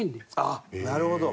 あっなるほど。